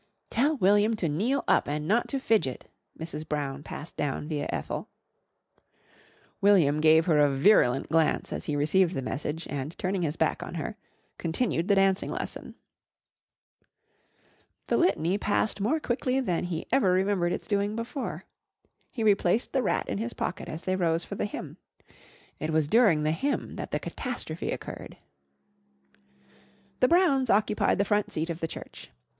"Tell William to kneel up and not to fidget," Mrs. Brown passed down via Ethel. William gave her a virulent glance as he received the message and, turning his back on her, continued the dancing lesson. The Litany passed more quickly than he ever remembered its doing before. He replaced the rat in his pocket as they rose for the hymn. It was during the hymn that the catastrophe occurred. The Browns occupied the front seat of the church.